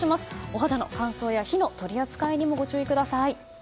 お肌の乾燥や火の取り扱いにご注意ください。